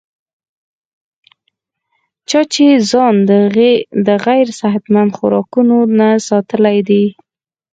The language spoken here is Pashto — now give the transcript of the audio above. چا چې ځان د غېر صحتمند خوراکونو نه ساتلے دے